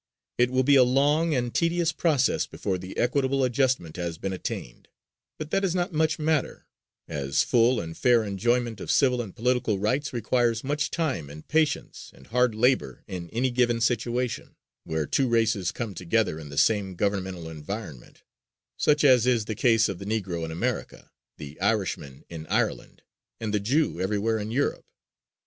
It will be a long and tedious process before the equitable adjustment has been attained, but that does not much matter, as full and fair enjoyment of civil and political rights requires much time and patience and hard labor in any given situation, where two races come together in the same governmental environment; such as is the case of the Negro in America, the Irishman in Ireland, and the Jew everywhere in Europe.